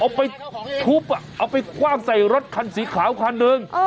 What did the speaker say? ออกไปพลุกเอาไปความใจรถคันสีขาวคันเดิม